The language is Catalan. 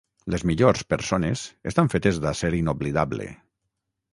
Les millors persones estan fetes d'acer inoblidable.